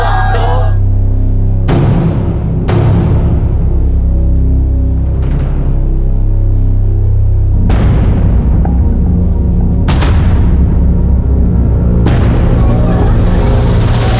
โรคโรคโรค